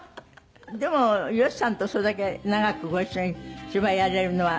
でも吉さんとそれだけ長くご一緒に芝居やれるのはいいですよね。